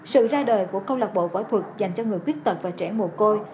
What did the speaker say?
sự ra đời của câu lạc bộ võ thuật dành cho người quyết tật và trẻ mùa côi